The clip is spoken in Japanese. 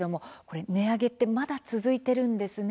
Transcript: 値上げがまだ続いているんですね。